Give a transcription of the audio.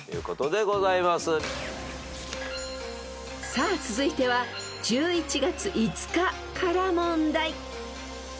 ［さあ続いては１１月５日から問題］